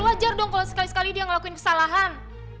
wajar dong kalau sekali sekali dia ngelakuin kesalahan